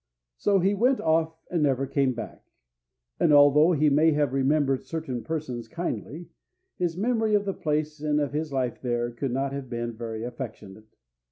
So he went off, and never came back; and although he may have remembered certain persons kindly, his memory of the place and of his life there could not have been very affectionate.